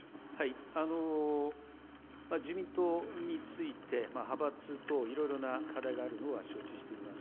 自民党について、派閥等、いろいろな課題があるのは承知しています。